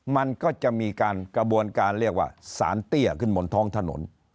มันก็จะมีการกระบวนการเรียกว่าสารเตี้ยขึ้นบนท้องถนน